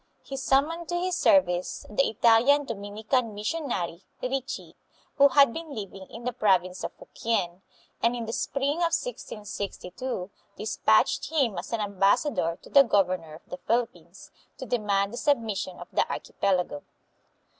He summoned to his service the Italian Dominican missionary, Ricci, who had been living in the province of Fukien, and in the spring of 1662 dispatched him as an ambassador to the governor of the Philippines, to demand the submission of the archipelago.